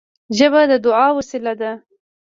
ژبه د دعا وسیله ده